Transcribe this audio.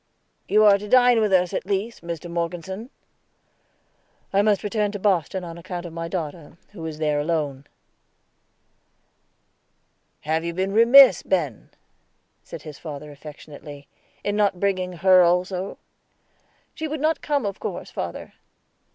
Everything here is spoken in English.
"You are to dine with us, at least, Mr. Morgeson." "I must return to Boston on account of my daughter, who is there alone." "Have you been remiss, Ben," said his father affectionately, "in not bringing her also?" "She would not come, of course, father."